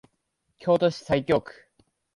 京都市西京区